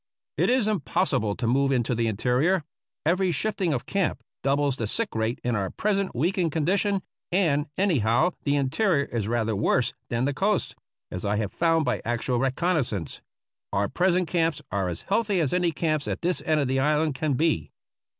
It is impossible to move into the interior. Every shifting of camp doubles the sick rate in our present weakened condition, and, anyhow, the interior is rather worse than the coast, as I have found by actual reconnoissance. Our present camps are as healthy as any camps at this end of the island can be.